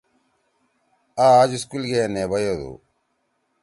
آ اج سکول گے نے بیدُو۔